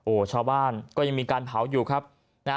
โอ้โหชาวบ้านก็ยังมีการเผาอยู่ครับนะฮะ